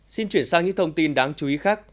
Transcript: xin chuyển sang những thông tin đáng chú ý khác